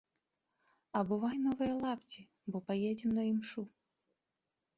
Абувай новыя лапці, бо паедзем на імшу!